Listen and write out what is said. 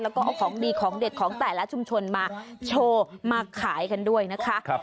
แล้วก็เอาของดีของเด็ดของแต่ละชุมชนมาโชว์มาขายกันด้วยนะคะ